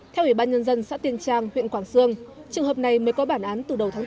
theo ủy ban nhân dân xã tiên trang huyện quảng sương trường hợp này mới có bản án từ đầu tháng bốn